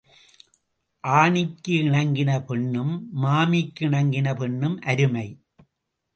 ஆணிக்கு இணங்கின பொன்னும் மாமிக்கு இணங்கின பெண்ணும் அருமை.